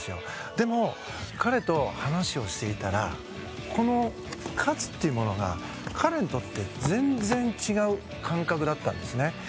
でも彼と話をしていたらこの勝つっていうものが彼にとって全然違う感覚だったんですね。